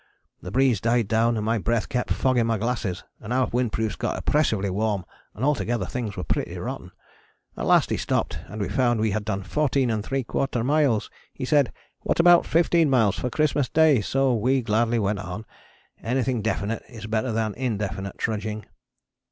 The breeze died down and my breath kept fogging my glasses, and our windproofs got oppressively warm and altogether things were pretty rotten. At last he stopped and we found we had done 14¾ miles. He said, "What about fifteen miles for Christmas Day?" so we gladly went on anything definite is better than indefinite trudging.